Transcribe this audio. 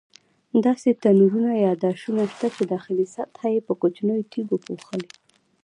داسې تنورونه یا داشونه شته چې داخلي سطحه یې په کوچنیو تیږو پوښلې.